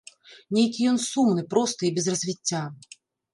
Нейкі ён сумны, просты і без развіцця.